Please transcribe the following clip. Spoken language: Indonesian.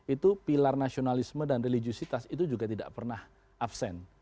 itu pilar nasionalisme dan religiositas itu juga tidak pernah absen